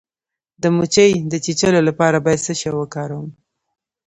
د مچۍ د چیچلو لپاره باید څه شی وکاروم؟